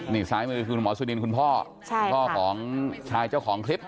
นี่ซ้ายมือคือคุณหมอสุนินคุณพ่อพ่อของชายเจ้าของคลิป